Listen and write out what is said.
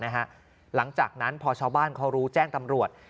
หลังจากนั้นพอชาวบ้านเขารู้แจ้งตำรวจ